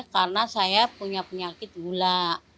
karena saya punya penyakit gula